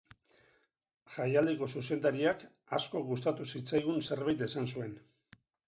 Jaialdiko zuzendariak asko gustatu zitzaigun zerbait esan zuen.